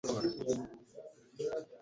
Iri ni ikosa abanyeshuri bakwiriye gukora.